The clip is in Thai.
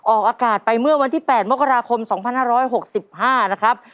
ออกอากาศไปเมื่อวันที่๘มกราคม๒๕๖๕นะครับ